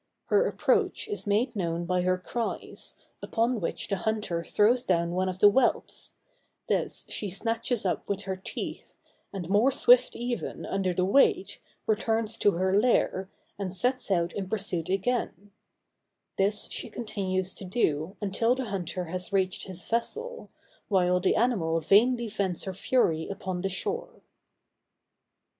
Her approach is made known by her cries, upon which the hunter throws down one of the whelps; this she snatches up with her teeth, and more swift, even, under the weight, returns to her lair, and sets out in pursuit again; this she continues to do, until the hunter has reached his vessel, while the animal vainly vents her fury upon the shore.